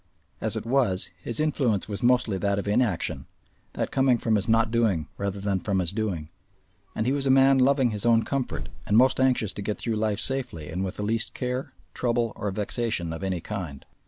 As it was, his influence was mostly that of inaction, that coming from his not doing rather than from his doing. And he was a man loving his own comfort and most anxious to get through life safely and with the least care, trouble, or vexation of any kind.